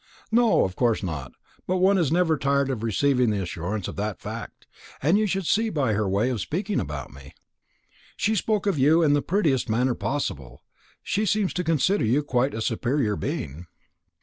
"No, of course not, but one is never tired of receiving the assurance of that fact. And you could see by her way of speaking about me " "She spoke of you in the prettiest manner possible. She seems to consider you quite a superior being."